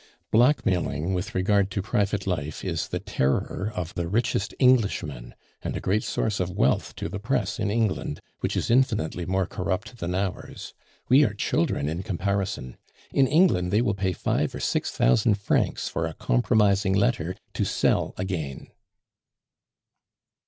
Blackmailing with regard to private life is the terror of the richest Englishman, and a great source of wealth to the press in England, which is infinitely more corrupt than ours. We are children in comparison! In England they will pay five or six thousand francs for a compromising letter to sell again."